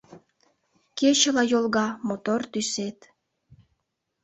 Кечыла йолга мотор тӱсет.